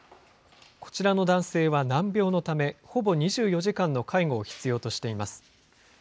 こちらの男性は難病のため、ほぼ２４時間の介護を必要としています。